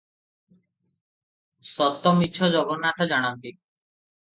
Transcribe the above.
ସତ ମିଛ ଜଗନ୍ନାଥ ଜାଣନ୍ତି ।